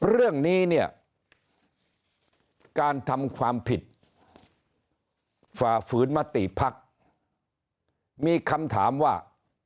เรื่องนี้เนี่ยการทำความผิดฝ่าฝืนมติภักดิ์มีคำถามว่า